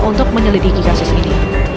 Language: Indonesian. untuk menyelidiki kasus ini